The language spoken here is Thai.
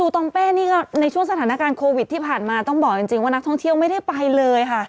ตองเป้นี่ก็ในช่วงสถานการณ์โควิดที่ผ่านมาต้องบอกจริงว่านักท่องเที่ยวไม่ได้ไปเลยค่ะ